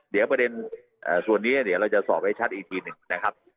เดี๋ยวประเด็นส่วนนี้เดี๋ยวเราจะสอบให้ชัดอีกทีหนึ่งนะครับ